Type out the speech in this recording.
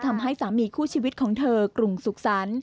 ทำให้สามีคู่ชีวิตของเธอกรุงสุขสรรค์